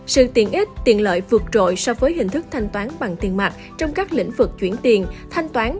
sự tiện ích tiện lợi vượt trội so với hình thức thanh toán bằng tiền mặt trong các lĩnh vực chuyển tiền thanh toán